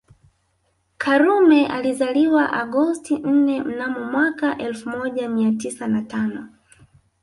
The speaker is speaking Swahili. Karume alizaliwa Agosti nne mnamo mwaka elfu moja mia tisa na tano